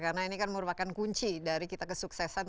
karena ini kan merupakan kunci dari kita kesuksesan